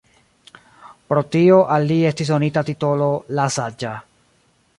Pro tio al li estis donita titolo «la Saĝa».